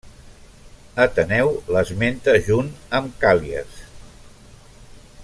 Ateneu l'esmenta junt amb Càl·lies.